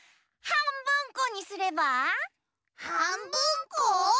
はんぶんこ。